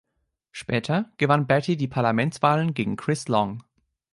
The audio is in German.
Später gewann Beatty die Parlamentswahlen gegen Chris Long.